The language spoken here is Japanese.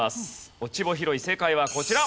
「落穂ひろい」正解はこちら。